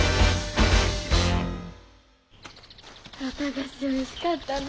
綿菓子おいしかったな。